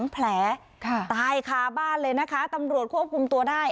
๒แผลตายคาบ้านเลยนะคะตำรวจควบคุมตัวได้